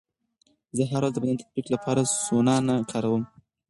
زه هره ورځ د بدن د تطبیق لپاره سونا نه کاروم.